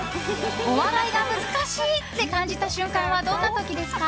お笑いが難しいって感じた瞬間はどんな時ですか？